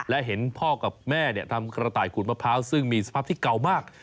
และเห็นพ่อกับแม่ทำกระต่ายขูดมะพร้าวซึ่งมีสภาพที่เก่ามาก